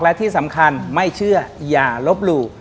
และที่สำคัญไม่เชื่ออย่าลบหลู่